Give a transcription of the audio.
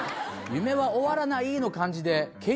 「夢は終わらない」の感じで。